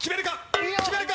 決めるか？